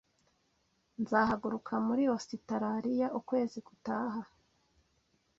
Nzahaguruka muri Ositaraliya ukwezi gutaha